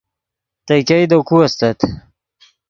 تے ګئے دے کو استت